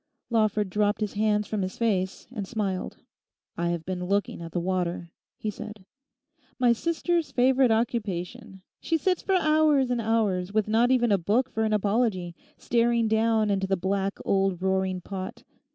Lawford dropped his hands from his face and smiled. 'I have been looking at the water,' he said. 'My sister's favorite occupation; she sits for hours and hours, with not even a book for an apology, staring down into the black old roaring pot.